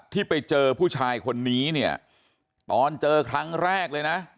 ที่ไปเจอผู้ชายคนนี้เนี่ยตอนเจอครั้งแรกเลยนะ